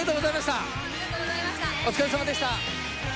お疲れさまでした。